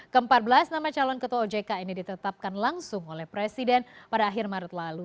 keempat belas nama calon ketua ojk ini ditetapkan langsung oleh presiden pada akhir maret lalu